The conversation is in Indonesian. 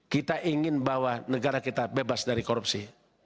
kita ingin bahwa negara kita bebas dari korupsi